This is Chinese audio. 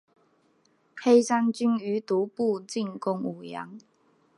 黑山军于毒部进攻武阳。